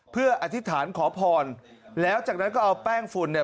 เพื่ออธิษฐานขอพรแล้วจากนั้นก็เอาแป้งฝุ่นเนี่ย